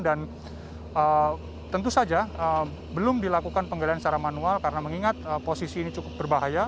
dan tentu saja belum dilakukan penggalian secara manual karena mengingat posisi ini cukup berbahaya